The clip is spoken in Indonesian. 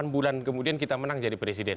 delapan bulan kemudian kita menang jadi presiden